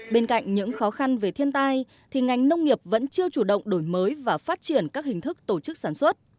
bên cạnh những khó khăn về thiên tai thì ngành nông nghiệp vẫn chưa chủ động đổi mới và phát triển các hình thức tổ chức sản xuất